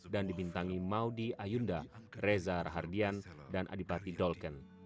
dan dibintangi maudie ayunda reza rahardian dan adipati dolken